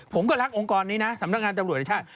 ผมก็รักองค์กรนี้นะสำนักงานตำรวจแห่งชาติ